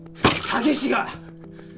詐欺師が！